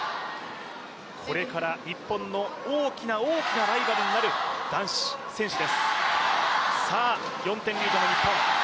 これから日本の大きな大きなライバルになる男子選手です。